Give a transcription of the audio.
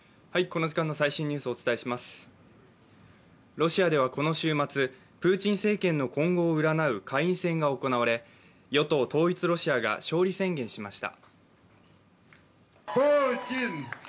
ロシアではこの週末、プーチン政権の今後を占う下院選が行われ、与党・統一ロシアが勝利宣言しました。